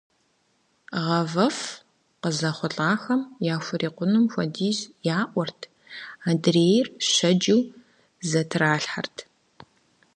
ГъавэфӀ къызэхъулӀахэм яхурикъунум хуэдиз яӀуэрт, адрейр щэджу зэтралъхьэрт.